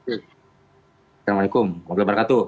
assalamu'alaikum warahmatullahi wabarakatuh